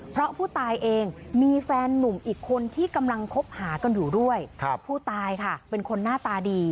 เพราะผู้ตายเองมีแฟนหนุ่มอีกคนที่กำลังคบหากันอยู่ด้วยผู้ตายค่ะเป็นคนหน้าตาดี